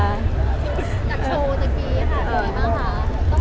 สุดกีคะ